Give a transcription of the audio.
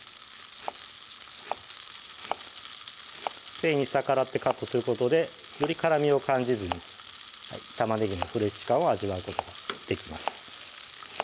繊維に逆らってカットすることでより辛みを感じずに玉ねぎのフレッシュ感を味わうことができます